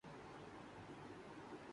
عمران خان عوامی لیڈر بن چکے ہیں۔